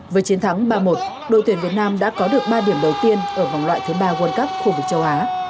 với chiến thắng ba một đội tuyển việt nam đã có được ba điểm đầu tiên ở vòng loại thứ ba world cup khu vực châu á